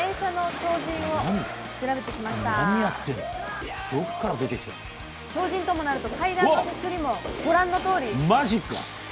超人ともなると階段の手すりもご覧のとおり。